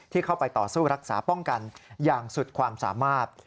เข้าไปต่อสู้รักษาป้องกันอย่างสุดความสามารถ